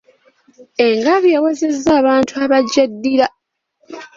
Engabi ewezezza abantu abagyeddira.